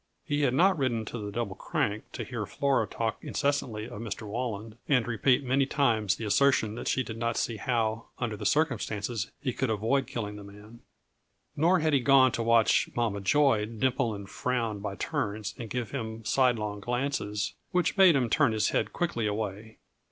He had not ridden to the Double Crank to hear Flora talk incessantly of Mr. Walland, and repeat many times the assertion that she did not see how, under the circumstances, he could avoid killing the man. Nor had he gone to watch Mama Joy dimple and frown by turns and give him sidelong glances which made him turn his head quickly away.